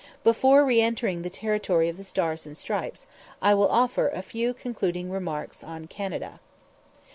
Before re entering the territory of the stars and stripes, I will offer a few concluding remarks on Canada.